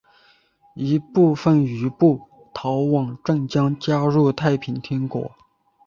一部分余部逃往镇江加入太平天国。